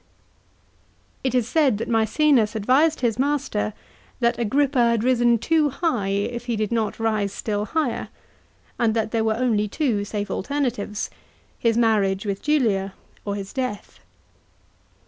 It is said that Maecenas advised his master that Agrippa had risen too high, if he did not rise still higher, and that there were only two safe alternatives, his marriage with Julia, or his death.